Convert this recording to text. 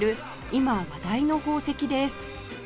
今話題の宝石です